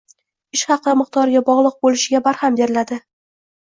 Ish haqi miqdoriga bogʻliq boʻlishiga barham beriladi